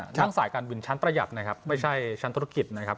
ทั้งสายการบินชั้นประหยัดนะครับไม่ใช่ชั้นธุรกิจนะครับ